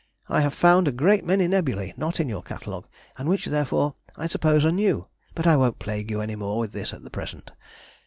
I have found a great many nebulæ not in your Catalogue, and which, therefore, I suppose are new. But I won't plague you any more with this at present.